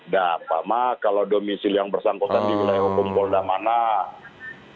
dan pak mak kalau domisi yang bersangkutan di wilayah hukum polda mana polda